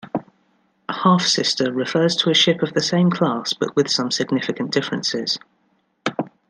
"Half-sister" refers to a ship of the same class but with some significant differences.